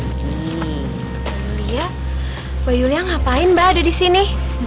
nih liat mbak yulia ngapain mbak ada disini